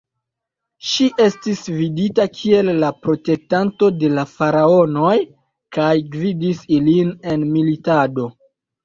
Ŝi estis vidita kiel la protektanto de la faraonoj kaj gvidis ilin en militado.